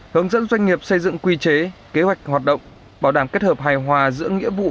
hướng dẫn doanh nghiệp xây dựng quy chế kế hoạch hoạt động bảo đảm kết hợp hài hòa giữa nghĩa vụ